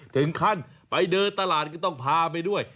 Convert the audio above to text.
ถึงขั้นไปเดินตลาดก็ต้องพาไปด้วย